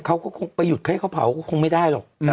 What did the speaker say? เขาก็คงไปหยุดให้เขาเผาก็คงไม่ได้หรอก